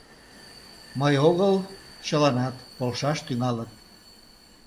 — Мый огыл, чыланат полшаш тӱҥалыт.